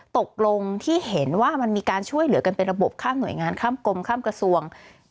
ตกลงที่เห็นว่ามันมีการช่วยเหลือกันเป็นระบบข้ามหน่วยงานข้ามกรมข้ามกระทรวง